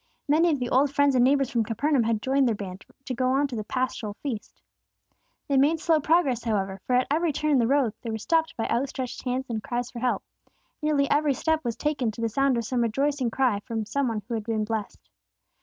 Many of the old friends and neighbors from Capernaum had joined their band, to go on to the Paschal feast. They made slow progress, however, for at every turn in the road they were stopped by outstretched hands and cries for help. Nearly every step was taken to the sound of some rejoicing cry from some one who had been blessed.